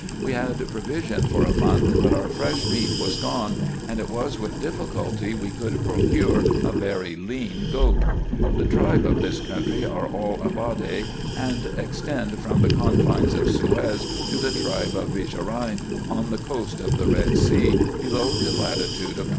We had provision for a month, but our fresh meat was gone, and it was with difficulty we could procure a very lean goat. The tribe of this country are all Ababde, and extend from the confines of Suez to the tribe of Bisharein, on the coast of the Red Sea, below the latitude of 23°.